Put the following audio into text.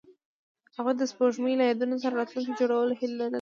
هغوی د سپوږمۍ له یادونو سره راتلونکی جوړولو هیله لرله.